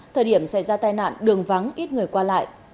thời điểm xảy ra tai nạn đường vắng ít người qua lại